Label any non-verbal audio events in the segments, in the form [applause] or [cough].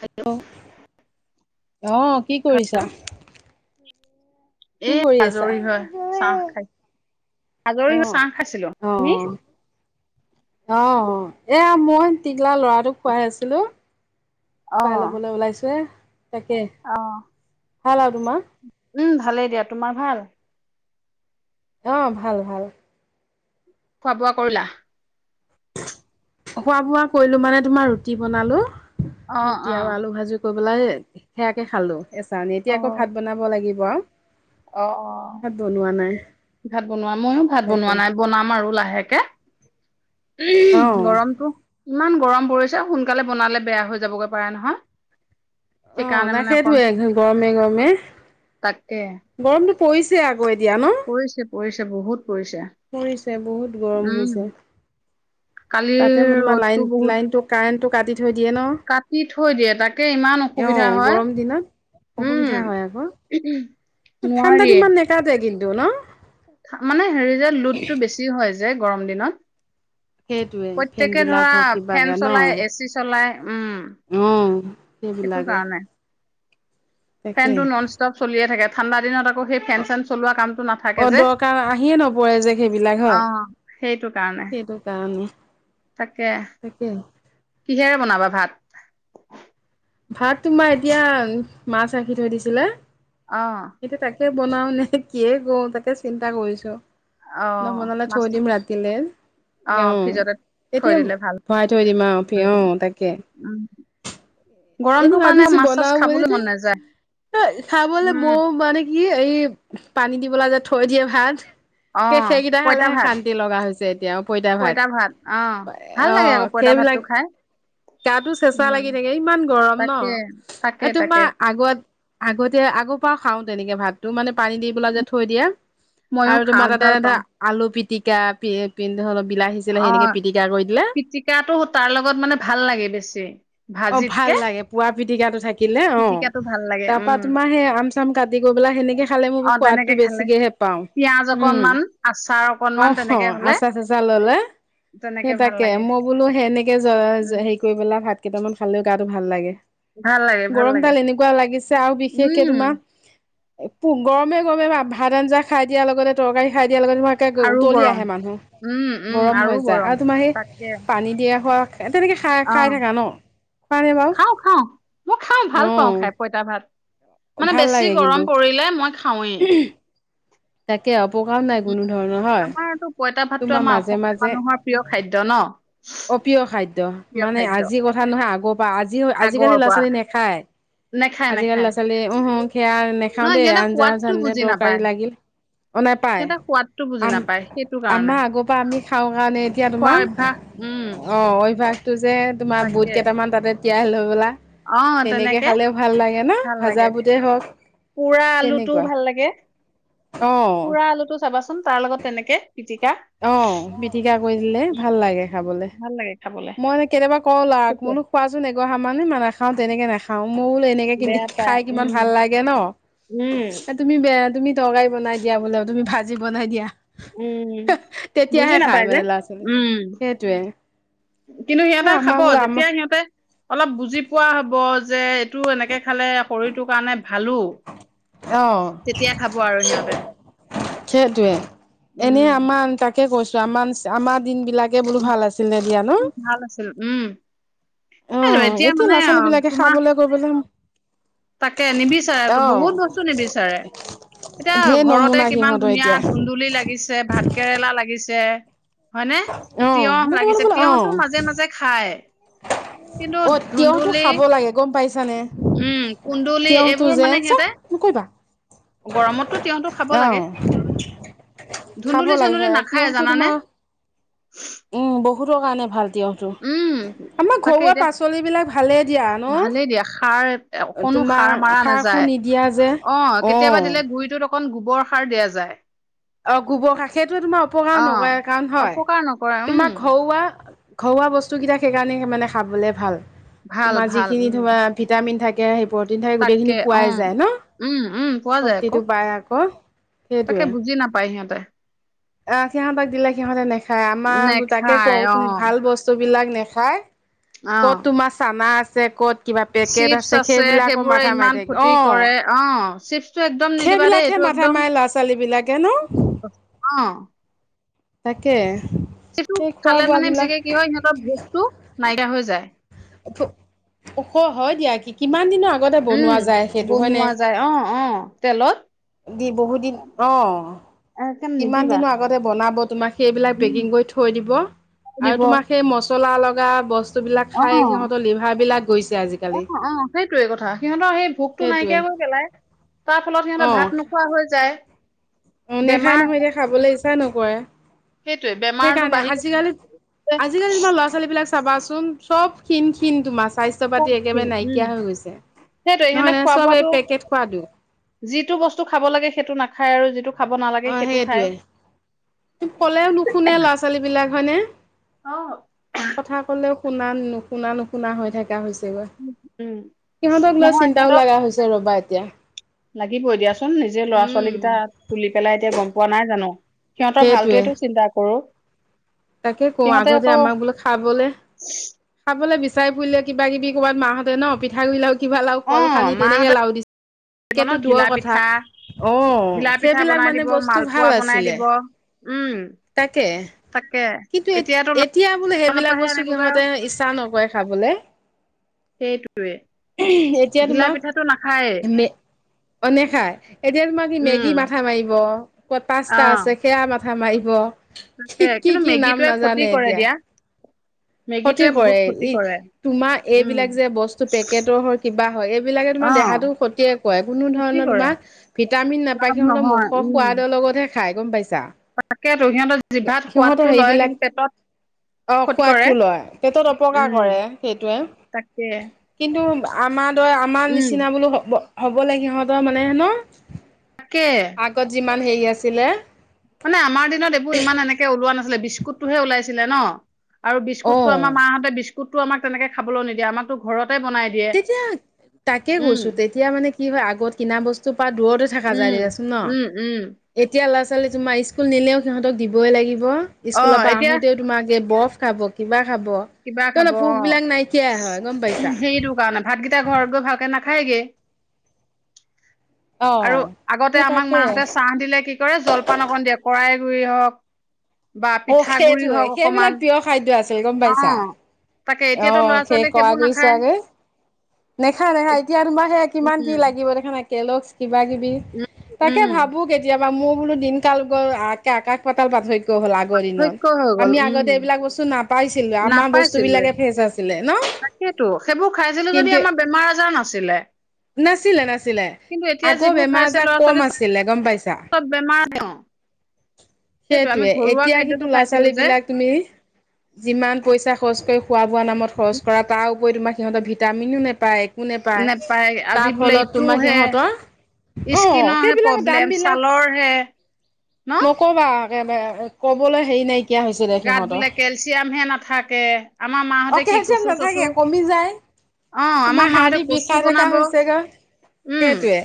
Hello অ কি কৰিছা? কি এ কৰি আছা আজৰি হয় চাহ খাই। অ আজৰি হৈ চাহ খাইছিলো, অ তুমি? অ', এয়া মই টিকলা লৰাটোক খুৱাই আছিলো। অ'। ল'বলৈ ওলাইছো হে তাকে ভাল আৰু তোমাৰ। উম ভালেই দিয়া, তোমাৰ ভাল? অ' ভাল ভাল। খোৱা বোৱা কৰিলা? খোৱা বোৱা কৰিলো মানে তোমাৰ ৰুটি বনালো। অ', অ'। ৰুটি আৰু আলু ভাজি কৰি পেলাই সেয়াকে খালো এচা অ', এতিয়া আকৌ ভাত বনাব লাগিব। পুৱা অ'। ভাত বনোৱা নাই। ভাত বনোৱা ময়ো ভাত তাকে বনোৱা নাই বনাম আৰু লাহেকে। অ উম গৰমটো ইমান গৰম পৰিছে সোনকালে বনালে বেয়া হৈ যাবগৈ পাৰে নহয়। অ সেইকাৰণে নাই মানে অকণ সেইটোৱে গৰমে গৰমে, তাকে গৰমটো পৰিছে আকৌ এতিয়া ন। পৰিছে পৰিছে বহুত পৰিছে, পৰিছে বহুত গৰম উম। হৈছে কালিৰ তাতে মই তোমাৰ লাইন ৰ'দটো বহুত লাইনটো কাৰেণ্টটো কাটি থৈ দিয়ে ন। কাটি থৈ দিয়ে তাকে ইমান অ অসুবিধা হয়, গৰম দিনত অসুবিধা উম হয় আকৌ উম হুম। ঠাণ্ডাত ইমান নেকাতে কিন্তু ন? মানে হেৰি যে লোডটো বেছি হয় যে গৰম দিনত। সেইটোৱে প্ৰত্যেকে ফেনবিলাক ধৰা হওক ফেন কিবাকে চলাই এ চি চলাই উম। অহ সেইটো সেইবিলাকে। কাৰণে তাকে ফেনটো নন ষ্টপ চলিয়ে থাকে ঠাণ্ডা দিনত আ কৌ সেই অ ফেন চেন চলোৱা কামটো নাথাকে অ যে, দৰকাৰ আহিয়ে নপৰে যে সেইবিলাক অ হয় সেইটো কাৰণ সেইটো কাৰণে। তাকে তাকে কিহেৰে বনাবা ভাত? ভাত তোমাৰ এতিয়া মাছ ৰাখি থৈ দিছিলে। এতিয়া অঁ। তাকে বনাও নে কিয়ে কৰো তাকে চিন্তা কৰিছো। অ নবনালে মাছ থৈ দিম ৰতিলে। অ অঁ ফ্ৰিজতে থৈ তেতিয়া দিলে ভাল ভৰাই থৈ দিম আৰু পিয় অঁ তাকে। উম এনে গৰমটোৰ কাৰণে ভাবিছো মাছ চাছ বনওঁ বুলি খাবলৈ তে। মন নাযায় খাবলে উম মইও মানে কি এই পানী দি পেলাই যে থৈ দিয়ে ভাত অ স সেইকেইটা পইতা খালেহে ভাত শান্তি লগা হৈছে এতিয়া অ পইতা ভাত, ভাল অ লাগে আকৌ পইতা ভাতটো সেইবিলাক খায়। গাটো চেঁচা লাগি থাকে ইমান গৰম ন। তাকে তাকে এ তাকে তোমাৰ আগত আগতে আগৰ পৰা খাওঁ তেনেকে ভাতো মানে পানী দি পেলাই যে থৈ দিয়া ময়ো আৰু তোমাৰ খাওঁ তাতে ভাল আধা পাওঁ আলু পি টিকা প পিন্ধ অলপ অহ পিটিকটো তাৰ লগত মানে ভাল লাগে বেছি। অ ভাজিতকে ভাল লাগে পুৰা পিটিকাটো থাকে কাটিলে অ পিটিকাটো ভাল লাগে তাৰ উম পৰাা তোমাৰ সেই আম চাম কাটি কৰি পাই সেনেকে খালে মোৰ অ' সোৱাদ তেনেকে টো খালে বেছিকে হে পাও পিয়াজ উম অকনমান আচাৰ অ অকনমান তেনেকে হলে আচা চাচা ললে তেনেকে সেই ভাল তাকে লাগে মই বোলো সেনেকে উম হেৰি কৰি পেলা ভাত কেইটামান খালেও গাটো ভাল লাগে ভাল লাগে ভাল লাগে গৰমডাল এনেকুৱা লাগিছে আৰু বিশেষকে উম তোমাৰ গৰমে গৰমে বা ভাত আঞ্জা খাই দিয়াৰ লগতে তৰকাৰী খাই দিয়াৰ লগতে ম একে আৰু উতলি গৰম আহে মানুহ উম উম গৰম হৈ যায় আৰু তোমাৰ সেই তাকে পানী দিয়া খোৱা তেনেকে খাই অ' খাই থাকা ন খোৱা নে বাৰু খাওঁ খাওঁ মই খাওঁ ভাল পাওঁ খাই অ পইতা ভাল মানে ভাল বেছি লাগে কিন্তু গৰম পৰিলে মই খাওঁৱেই তাকে অপকাৰ নাই উম কোনো ধৰণৰ হয় আমাৰতো পইতা ভাতটো তোমাৰ আমাৰ মাজে অসমীয়া মাজে মানুহৰ প্ৰিয় খাদ্য ন অ প্ৰিয় খাদ্য প্ৰিয় মানে খাদ্য আজিৰ কথা ন নহয় আগৰ পৰা আজি আগৰ আজিকালি ল'ৰা পৰা ছোৱালী নেখায় নেখায় আজিকালি নেখায় ল'ৰা ছোলীয়ে উহুম সেয়া নেখাও নহয় দেই সিহঁতে আঞ্জা সোৱাদটো চঞ্জা বুজি তৰকাৰী নাপায় লাগিল অ নেপায় সিহঁতে সোৱাদটো বুজি অহ নাপায় সেইটো কাৰণে আমাৰ আগৰ পৰা আমি খাওঁ কাৰণে এতিয়া খোৱা তোমাৰ অভ্যাস উম অঁ অভ্যাস টো যে তোমাৰ বুট তাকে কেইটামান তাতে তিয়াই লৈ ললা তেনেকে খালেও ভাল লাগে ন ভাল ভাজা লাগে বুটই হওক পোৰা আলুটোও তেনেকুৱা ভাল লাগে অ পোৰা আলুটো চাবাচোন তাৰ লগত তেনেকে পিটিকা আহ পিটিকা কৰি দিলে উম ভাল লাগে খাবলে ভাল লাগে খাবলে মই মে কেতিয়াবা কওঁ লাক সেইটোৱে মোনো খোৱাচোন এগৰ হা মানহে মা নাখাও, তেনেকে নাখাও মৌল এনেকে কিনি বেয়া পায় খাই কিমান উম ভাল লাগে ন, উম এ তুমি বেয়া তুমি তৰৰাী বনাই দিয়া বোলে তুমি ভাজি বনাই দিয়া উম বুজি তেতিয়াহে খাই নাপায় ব যে লৰা ছোৱালী উম সেইটোৱে কিন্তু এ সিহঁতে আমাৰ খাব বোলো আমাৰ যেতিয়া সিহঁতে অলপ বুজি পোৱা হব যে এইটো এনেকে খালে শৰীৰটোৰ কাৰণে ভালো আহ, তেতিয়া খাব আৰু সিহঁতে সেইটয়ে এনে উম আমাৰ তাকে কৈছো আমাৰ আমাৰ দিন বিলাক তাকে বোলো উম, ভাল আছিল নে দিয়া ন ভাল আছিল উম এই অ', এতিয়া মানে ল'ৰা অ, ছোৱালী বিলাকে তোমাৰ খাবলৈ কৰিবলৈ তাকে নিবিচাৰে, অ বহুত বস্তু নিবিচাৰে ঢেৰ এতিয়া ঘৰতে নমুনা কিমান সিহঁতৰ এতিয়া ধুনীয়া ধুন্দুলি লাগিছে ভাত কেৰেলা লাগিছে হয়নে অ তিয়হ মোৰ লাগিছে বোলো অ তিয়হতটো মাজে, মাজে খাই অ', তেওঁতো খাব লাগে গম পাইছানে উম কুন্দুলি তিয়ঁহ টো এইবোৰ যে মানে সিহঁতে [unintelligible] গৰমততো তেওঁতটো খাব অহ লাগে খাব ধুন্দুলি লাগে চন্দুলি সেয়া নাখায় তিয়হটো জানানে তোমাৰ উম, বহুতৰ কাৰণে ভাল উম আমাৰ তাকে ঘৰুৱা এতিয়া পাচলিবিলাক ভালেই দিয়া ভালেই দিয়া সাৰ ন অকনো সাৰ তোমাৰ মাৰা খাৰ খো নাযায় নিদিয়া যে অ', অকণ গোবৰ সাৰ দিয়া যায় অ', গোবৰ কষ সেইটোৱে তোমাৰ অপকাৰ নকৰে অ', কাৰণ হয় অপকাৰ নকৰে, উম, তোমাৰ ঘৰুৱা ঘৰুৱা বস্তুকেইটা সেইকাৰণে মানে খাবলৈ ভাল ভাল তোমাৰ ভাল, যিখিনি উম, ভিটামিন থাকে সেই প্ৰটিন ঠাই তাকে, গোটেইখিনি পোৱাই উম, যায় ন উম, উম, পোৱা যায় আকৌ, শক্তিটো পায় আকৌ তাকে বুজি নাপায় সিহঁতে অ', সিহঁতক দিলে সিহঁতে নেখায় আমাৰ তাকে নেখায় কওক অ', ভাল বস্তু বিলাক নেখায় ক'ত অ', তোমাৰ চানা আছে ক'ত কিবা পেকেট চিপছ আছে সেইবিলাকো সেইবোৰে মাথা মাৰি ইমান থাক ক্ষতি অ কৰে, অ', চিপছটো একদম নিদিবা সেইবিলাকে মথাে মাৰ ল'ৰা ছোৱালী বিলাক আহ, তাকে সিটো সেই খোৱা খালে বোৱা বিলাক মানেিকে কি হয় সিহঁতৰ ভোকতটো নাইকিয়া হৈ যায় স হয় দিয়া কি কিমান দিনৰ আগতে বনোৱা উম, যায় সেইটো হয়নে বনোৱা যায় অ', অ', তেলত দি বহুত দিন অ', একদম কিমান নিদিবা, দিনৰ আগতে বনাব তোমাক সেইবিলাক উম, পেকিং কৰি থৈ দিব আৰু দিব, তোমাক সেই মচলা লগা বস্তু বস্তুবিলাক খায় অ'। সিহঁতৰ লিভাৰবিলাক গৈছে আজিকালি অ', অ', সেইটয়ে কথা সিহঁতৰ সেই ভোকটো সেইটোৱে নাইকিয় গৈ পেলাই তাৰ ফলত সিহঁতৰ ভাত নোখোৱা হৈ যায় অনে খাই বেমাৰ নহয় এতিয়া খাবলৈ ইচ্ছা নকৰে সেইটোৱে বেমাৰটো সেইকাৰণে বাঢ়ি আজিকালি, গৈছে আজিকালি তমান ল'ৰা ছোৱালী বিলাক চাবাচোন চব ক্ষীণ ক্ষীণ তোমাৰ স্বাস্থ্য পাতি একেবাৰে উম নাইকিয়া হৈ গৈছে সেইটোৱে নহয় সিহঁতে ন খোৱা চব বোৱাটো এই পেকেট খোৱাটো যিটো বস্তু খাব লাগে সেইটো নাখায় আৰু যিটো খাব নালাগে অ', সেইটো খায় সেইটোৱে ক'লেও নুশুনে ল'ৰা ছোৱালী বিলাক হয়নে অ কথা ক'লেও শুনা ন শুনা নুশুনা হৈ থকা হৈছে উম সিহঁতক লৈ নহয় চিন্তাও সিহঁতক লগা হৈছে ৰবা এতিয়া লাগিবই দিয়াচোন নিজে ল'ৰা উম, ছোৱালী কেইটা টুলি পেলাই এতিয়া গম পোৱা নাই জানো। সিহঁতৰ সেইটোৱে ভালটোৱেতো চিন্তা কৰোঁ। তাকে কওঁ আগতে আমাক বোলো খাবলে খাবলৈ বিচাৰি ফুৰিলে কিবা কিবি ক'ৰবাত মাহঁতে ন পিঠাগুড়ি লাও, কিবা লাও কল সানি তেনেকে লাও দিছিলে। উ [inaudible] কেতো দূৰৰ কথা অ' ঘিলা পিঠা সেইবিলাক বনাই মানে দিব বস্তু মালপোৱা ভাল বনাই আছিলে, দিব উম তাকে। তাকে কিন্তু এতিয়াতো এতিয়া বোলে লনৰ সেইবিলাক পৰাহে বস্তু আনিবগৈ সিহঁত আৰু তে ইচ্ছা নকৰে খাবলৈ। সেইটোৱে এতিয়া ঘিলা তোমাক পিঠাটো নাখায়েই অনে খাই এতিয়া তোমাক ই উম মেগী মাথা মাৰিব। অ' ক'ত অ পাঁচ্তা আছে সেয়া মাথা মাৰিব। তাকে কি কি কিন্তু কি নাম মেগীটোৱে ক্ষতি নাজানে কৰে এতিয়া। দিয়া ক্ষতি মেগীটোৱে বহুত কৰে ক্ষতি ই কৰে তোমাৰ উম এইবিলাক যে বস্তু পেকেটৰ হয় কিবা হয় এইবিলাকে অ তোমাৰ দেহাটো ক্ষতিয়ে কৰে কোনো ক্ষতি ধৰণৰ কৰে তোমাৰ ভিটামিন নাপায় লাভ সিহঁতৰ নহয় মুখৰ উম সোৱাদৰ লগত হে খাই গম পাইছা তাকেতো সিহঁতৰ জিভাত সোৱাদটো সিহঁতৰ লয় কিন্তু হেৰিবিলাক পেটত অ' ক্ষতি সোৱাদ কৰে টো লয় পেটত অপকাৰ উম কৰে সেইটোৱে। তাকে কিন্তু আমাৰ তই আমাৰ উম নিচিনা বোলো হ'ব-হ'ব লাগে সিহঁতৰ মানে হেনো তাকে। ইমান হেৰি আছিলে। মানে আমাৰ দিনত এইবোৰ ইমান এনেকে ওলোৱা নাছিলে, বিস্কুটটোহে ওলাইছিলে ন'? আৰু অ বিস্কুটটো আমাৰ মাহঁতে বিস্কুটটো আমাক তেনেকে খাবলৈ নিদিয়ে আমাৰতো ঘৰত তেতিয়া তাকে উম কৈছোঁ তেতিয়া মানে কি হয় আগত কিনা বস্তু পা দূৰতো থাকা যায় উম, দিয়াচোন উম, উম, ন'। এতিয়া লাষ্ট আচলতে তোমাৰ স্কুল নিলেও সিহঁতক দিবই লাগিব, স্কুলৰ অ', পৰা এতিয়া আহোতেও তোমাক এই বৰফ খাব। কিবা খাব, কিবা খাব সিহঁতৰ অ', ভোকবিলাক নাইকিয়া হয়, গম পাইছা? সেইটো কাৰণে ভাতকেইটা ঘৰত গৈ ভালকে নাখায় গে। অ' আৰু, আগতে সেই আমাক তাকে। মাহঁতে চাহ দিলে কি কৰে জলপান অকন দিয়ে কৰাই [unintelligible] হওক। বা অ', পিঠাগুৰি সেইটোৱে হওক অকমান সেইবিলাক প্ৰিয় খাদ্য আছিল, গম পাইছা? অ', তাকে এতিয়াতো ল'ৰা অ', সেই ছোৱালীয়ে কৰা সেইবোৰ [unintelligible] নাখায় নেখায় নেখায় এত- এতিয়া তোমাৰ সেয়া কিমান কি উম, লাগিব দেখা নায়। কেল্লগছ কিবা কিবি, উম, তাকে উম, ভাবোঁ কেতিয়াবা মোক বোলো দিন কাল গ'ল আকাশ পাতাল পাৰ্থক্য হ'ল আগৰ দিনৰ, অভ্যাস হৈ গ'ল আমি উম, আগতে এইবিলাক বস্তু নাপ পাইছিলোঁ আমাৰ বস্তু বিলাকে তাকেতো, সেইবোৰ খাইছিলোঁ যদি কিন্তু আমাৰ বেমাৰ আজাৰ নাছিলে। নাছিলে নাছিলে কিন্তু এতিয়া আগৰ যিবোৰ বেমাৰ খাইছে আজাৰ ল'ৰা কম ছোৱালী চব, আছিলে গম পাইছা চব বেমাৰ ন'। [inaudible] সেইটোৱে এতিয়া কিন্তু ল'ৰা খাইছিলো ছোৱালী যে বিলাক তুমি, যিমান পইচা খৰচ কৰি খোৱা-বোৱা নামত খৰচ কৰা তাৰ উপৰি তোমাক সিহঁতে ভিটামিনো নেপায়। কোনে পায়। নেপায় তাৰ ফলত তোমাৰ সিহঁতৰ অ স্কিনৰহে সেইবিলাক দাম প্ৰব্লেম বিলাক ছালৰহে নক'বা একেবাৰে ক'বলৈ হেৰি নাই। গাত বোলে কেলচিয়ামহে নাথাকে। আমাৰ অ মাহঁতে কি কেলচিয়াম কচু-চচু। নাথাকে কমি যায় অ' তোমাৰ আমাৰ মাহতে হাৰ্দি কচু বিষাই থকা বনাব। হৈছেগৈ উম, সেইটোৱে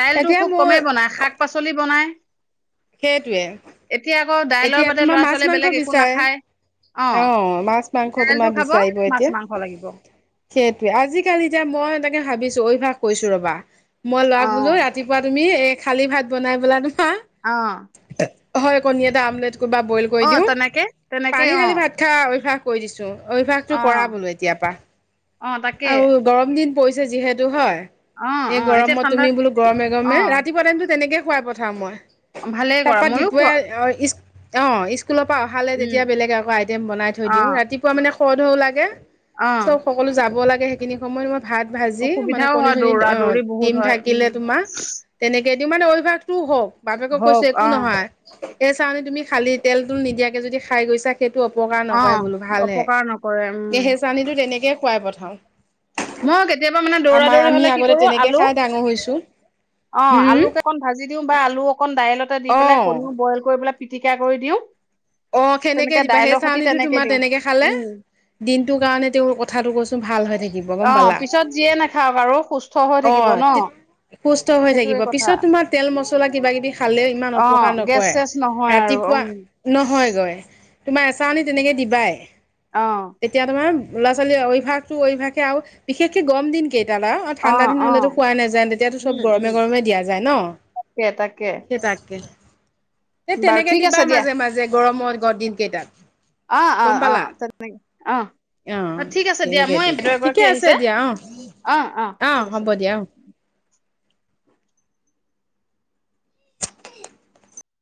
দাইলটো এতিয়া খুব মোৰ কমেই বনাই, শাক-পাচলি বনাই। সেইটোয়ে, এতিয়া আকৌ দাইলৰ এতিয়া বাদে তোমাৰ ল'ৰা ছোৱালীয়ে বেলেগ মাছ-মাংসৰ বিচ একো চ নাখায় অ' মাছ-মাংস দাইলটো তোমাৰ খাব বিচাৰিব মাছ এতিয়া। মাংস লাগিব সেইটোৱে আজিকালি যে, মই তাকে ভাবো ভাবিছো, অভ্যাস কৈছো ৰ'বা। মই অ ল'ৰাক বোলো ৰাতিপুৱা তুমি এই খালী ভাত বনাই বোলা তোমাৰ। অহ'। হয় কণী এটা আমলেট কৰি বা বইল কৰি দিও। তেনেকে তেনেকে পানী অ ঢালি ভাত খাওঁ অভ্যাস কৈ দিছো। অভ্যাসটো অ কৰা বোলো এতিয়াৰ পা। অ' তাকে। পৰিছে যিহেতু হয়। অ এই অ এতিয়া গৰমত ঠাণ্ডা তুমি বোলো অ গৰমে-গৰমে, ৰাতিপুৱা টাইমতো তেনেকে খুৱাই পঠাম মই, ভালেই তাৰ কৰা পৰা ময়ো খোৱা দোপৰীয়া স্কুল অ' স্কুলৰ পৰা অহালে উম তেতিয়া বেলেগ আকৌ আইটেম বনাই থৈ অ দিওঁ। ৰাতিপুৱা মানে সদ-ধৰ ও লাগে। অ চব সকলো যাব লাগে সেইখিনি সময়ত ম ভাত ভাজি মানে অসুবিধাও হয় কণী-চণীত দৌৰা অহ' দৌৰি বহুত ডিম হয় উম থাকিলে তোমাৰ তেনে কেইদিন মান অভ্যাসটো হওক বাপেকক কৈছে, হওক একো অ নহয়। এই চাউনী তুমি খালি তেল তল নিদিয়াকে যদি খাই গৈছা সেইটো অপকাৰ অ নকৰে বোলো ভালহে অপকাৰ নকৰে উম এহেচানীটো তেনেকেই খুৱাই পঠাওঁ। মই কেতিয়াবা মানে আমাৰ দৌৰা-দৌৰি আমি হ'লে, কি আগতে কৰো তেনেকে আলু খাই ডাঙৰ হৈছো অ' হম আলুকে অকন ভাজি দিও বা আলু অকন দাইলত দুটা দি পেলাই অ' কনীও বইল কৰি পেলাই পিটিকা কৰি দিওঁ। অ 'সেনেকে তেনেকে দিবা সেই দাইলৰ সতি চাউনীটো তোমাৰ দিওঁ তেনেকে খালে উম দিনটোৰ কাৰণে তেওঁ কথাটো কৈছোঁ। তো ভাল হয় থাকে। অ' পিছত যিয়ে নাখাওক আৰু সুস্থ হৈ থাকিব অ', ন। সুস্থ হৈ সেইটোৱে থাকিব কথা পিছত তোমাৰ তেল, মছলা কিবা-কিবি খালেও ইমান অপকাৰ নকৰে। ৰাতি অও'। নহয়গৈ তোমাৰ এচাউনি তেনেকৈ দিবাই, অ তেতিয়া তুমি অৱ ল'ৰা-ছোৱালী অভ্যাসটো অভ্যাস আৰু বিশেষকে গৰম দিন কেই দাদা অ' ঠাণ্ডা দিন হ'লেতো খোৱা নাযায়, তেতিয়াতো উম চব উম গৰমে-গৰমে দিয়া যায় ন। তাকে তাকে সেই তাকে। এ বাৰু তেনেকে ঠিক দিবা আছে দিয়া মাজে-মাজে গৰমৰ গৰ দিন কেইটাত। অ' গম অ' পালা। অ' [unintelligible] অ'। অ ঠিক আছে দিয়া, তেনেকে মই দিবা ঠিকে এগৰাকী আছে আহিছে। দিয়া অ', অ' অ' ঠিক আছে দিয়া। [inaudible] [unintelligible]